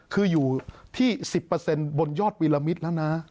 คืออยู่ที่๑๐เปอร์เซ็นต์บนยอดวิลามิตรแล้วนะ